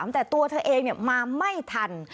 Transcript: แต่ตัวเธอเองมาไม่ทัน